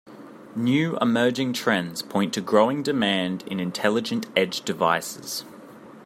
New emerging trends point to growing demand in intelligent edge devices.